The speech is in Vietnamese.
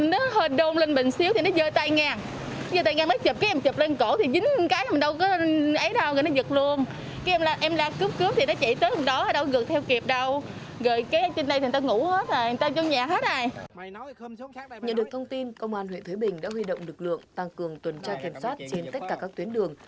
nhận được thông tin công an huyện thới bình đã huy động lực lượng tăng cường tuần tra kiểm soát trên tất cả các tuyến đường